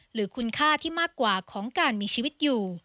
หรือคุณค่าที่มากกว่าของการมีชีวิตอยู่